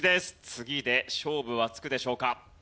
次で勝負はつくでしょうか？